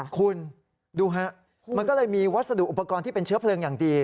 คุณดูฮะมันก็เลยมีวัสดุอุปกรณ์ที่เป็นเชื้อเพลิงอย่างดี